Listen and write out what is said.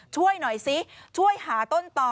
ช่วยหน่อยซิช่วยหาต้นต่อ